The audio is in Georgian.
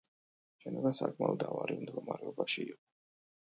შენობა საკმაოდ ავარიულ მდგომარეობაში იყო.